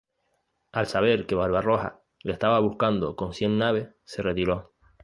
Al saber que Barbarroja le estaba buscando con cien naves, se retiró.